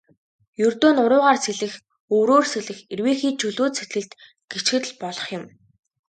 Ердөө нуруугаар сэлэх, өврөөр сэлэх, эрвээхэй, чөлөөт сэлэлт гэчихэд л болох юм.